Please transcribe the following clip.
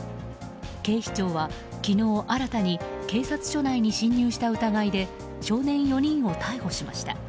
警視庁は昨日新たに警察署内に侵入した疑いで少年４人を逮捕しました。